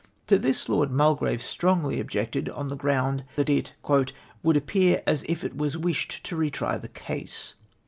To this Lord Mulgrave strongly objected, on the ground that it " would appear as if it was wished to retry the case."